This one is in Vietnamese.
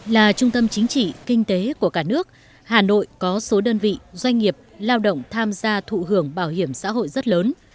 là trung tâm chính trị kinh tế của cả nước hà nội có số đơn vị doanh nghiệp lao động tham gia thụ hưởng bảo hiểm xã hội rất lớn